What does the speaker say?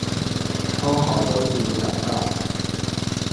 粗口都照入啦